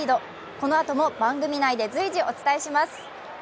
このあとも番組内で随時お伝えします。